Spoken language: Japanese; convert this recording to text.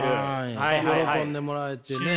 喜んでもらえてね。